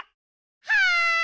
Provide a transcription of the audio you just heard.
はい！